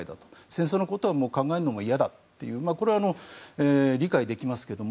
戦争のことは考えるのは嫌だというこれは理解できますけど。